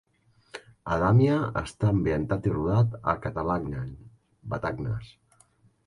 Adamya està ambientat i rodat a Calatagnan, Batagnas.